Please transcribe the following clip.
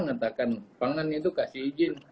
mengatakan pangan itu kasih izin